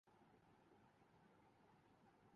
ان کی چاندی ہو گئی۔